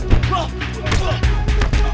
mungkin bella masih ada di sini